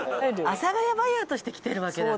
阿佐ヶ谷バイヤーとして来てるわけだから。